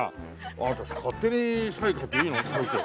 あなた勝手にサイン書いていいの？